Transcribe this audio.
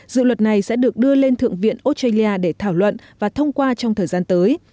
dự luật này sẽ được đưa lên thượng viện australia để thảo luận và thông qua trong thời gian tới